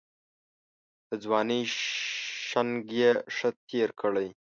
د ځوانۍ شنګ یې ښه تېر کړی.